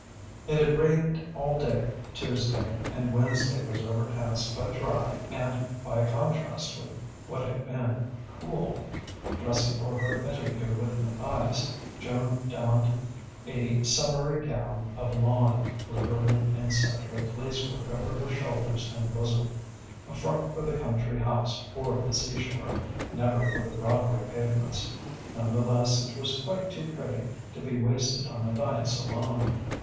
It had rained all day Tuesday, and Wednesday was overcast but dry and, by contrast with what had been, cool. Dressing for her interview with Matthias, Joan donned a summery gown of lawn, liberally inset with lacework over her shoulders and bosom: a frock for the country house or the seashore, never for the Broadway pavements. None the less it was quite too pretty to be wasted on Matthias alone.